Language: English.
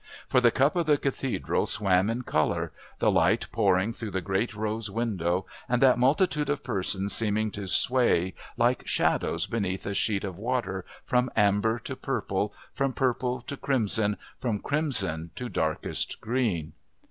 For the cup of the Cathedral swam in colour, the light pouring through the great Rose window, and that multitude of persons seeming to sway like shadows beneath a sheet of water from amber to purple, from purple to crimson, from crimson to darkest green.